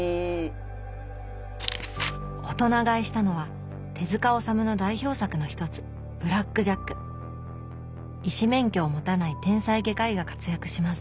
「大人買い」したのは手治虫の代表作の一つ医師免許を持たない天才外科医が活躍します